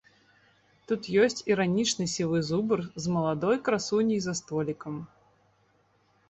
Тут ёсць іранічны сівы зубр з маладой красуняй за столікам.